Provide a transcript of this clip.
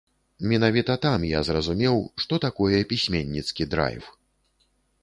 Менавіта там я зразумеў, што такое пісьменніцкі драйв.